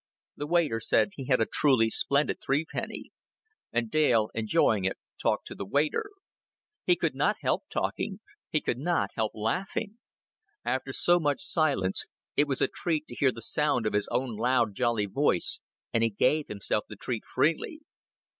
The waiter said he had a truly splendid threepenny; and Dale, enjoying it, talked to the waiter. He could not help talking; he could not help laughing. After so much silence it was a treat to hear the sound of his own loud, jolly voice, and he gave himself the treat freely.